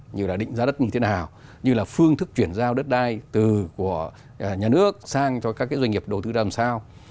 như là định giá đất như thế nào như là phương thức chuyển giao đất đai từ của nhà nước sang cho các doanh nghiệp đầu tư làm sao